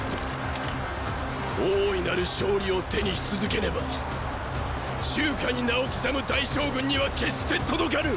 大いなる勝利を手にし続けねば中華に名を刻む大将軍には決して届かぬ！！